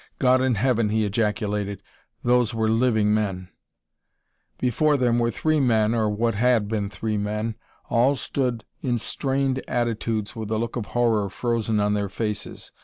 "God in Heaven!" he ejaculated. "Those were living men!" Before them were three men or what had been three men. All stood in strained attitudes with a look of horror frozen on their faces.